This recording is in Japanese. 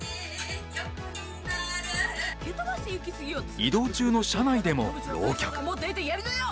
移動中の車内でも浪曲。